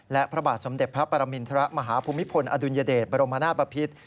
และพระบาทสมเด็จพระปรามิณฑระมหาภูมิฟ้นอดุลยเดชบรมราชปภิษฐ์